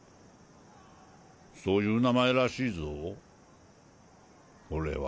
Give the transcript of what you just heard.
そういう名前らしいぞ俺は。